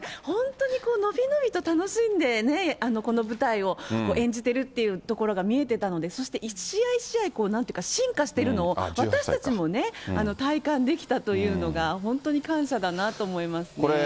本当に伸び伸びと楽しんでね、この舞台を演じているっていうところが見えてたので、そして、一試合一試合、なんていうか、進化しているのを、私たちもね、体感できたというのが本当に感謝だなと思いますね。